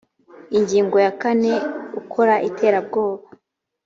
ingingo ya kane ukora iterabwoba